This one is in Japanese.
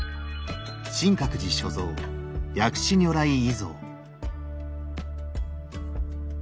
真覚寺所蔵薬師如来倚像。